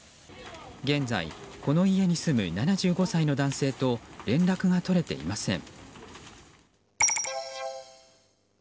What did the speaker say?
現在、この家に住む７５歳の男性と連絡が取れていません。